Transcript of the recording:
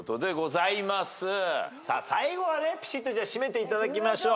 さあ最後はねぴしっと締めていただきましょう。